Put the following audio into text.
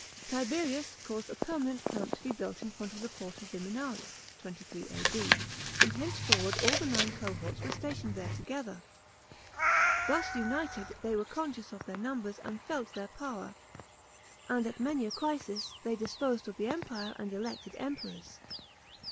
Tiberius caused a pt^ rmanent camp to be built in front of the Porta Viminalis (23 A.D.), and henceforward all the nine cohorts were stationed there together. Thus united, they were conscious of their numbers, and felt their power ; and at many a crisis, they disposed of the Empire and elected Emperors.